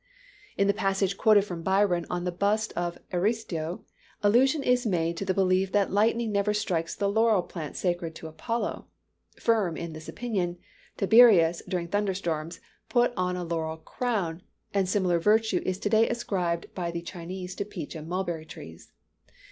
In the passage quoted from Byron on the bust of Ariosto, allusion is made to the belief that lightning never strikes the laurel plant sacred to Apollo. Firm in this opinion, Tiberius, during thunder storms, put on a laurel crown; and similar virtue is to day ascribed by the Chinese to peach and mulberry trees.